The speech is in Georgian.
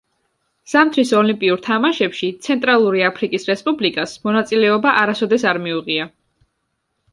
ზამთრის ოლიმპიურ თამაშებში ცენტრალური აფრიკის რესპუბლიკას მონაწილეობა არასოდეს არ მიუღია.